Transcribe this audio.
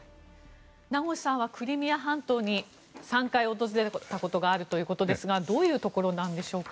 名越さんはクリミア半島に３回訪れたことがあるということですがどういうところなんでしょうか。